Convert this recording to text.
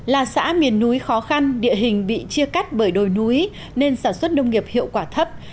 là xã miền núi khó khăn địa hình bị chia cắt bởi đồi núi nên sản xuất nông nghiệp hiệu quả thấp